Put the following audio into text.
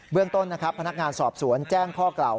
เรื่องต้นนะครับพนักงานสอบสวนแจ้งข้อกล่าว